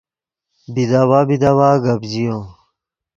بیداوا بیداوا گپ ژیو